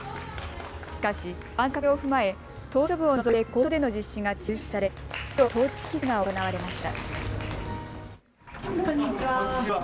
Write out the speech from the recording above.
しかし、感染拡大を踏まえ島しょ部を除いて公道での実施が中止されきょうはトーチキスが行われました。